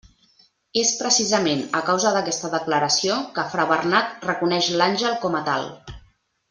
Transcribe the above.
És precisament a causa d'aquesta declaració que fra Bernat reconeix l'àngel com a tal.